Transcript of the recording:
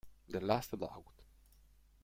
The Last Laugh